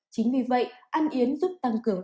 chính vì vậy ăn yến giúp tăng cường